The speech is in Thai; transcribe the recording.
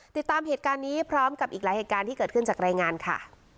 ติดตามเหตุการณ์นี้พร้อมกับอีกหลายเหตุการณ์ที่เกิดขึ้นจากรายงานค่ะ